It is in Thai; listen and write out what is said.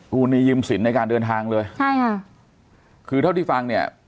กู้หนี้ยืมสินในการเดินทางเลยใช่ค่ะคือเท่าที่ฟังเนี่ย